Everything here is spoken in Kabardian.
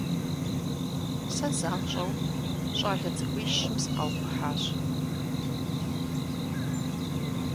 Сэ занщӀэу щӀалэ цӀыкӀуищым сыкъаувыхьащ.